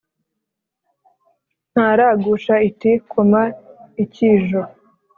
ntaragusha iti : koma ikijo